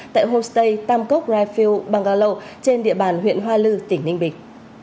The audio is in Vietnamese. tại hostel tam cốc rifle bangalow trên địa bàn huyện hoa lư tỉnh ninh bình